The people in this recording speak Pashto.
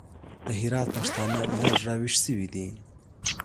د هرات پښتانه لږ راوېښ سوي دي.